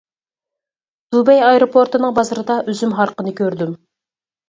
دۇبەي ئايروپورتىنىڭ بازىرىدا ئۈزۈم ھارىقىنى كۆردۈم.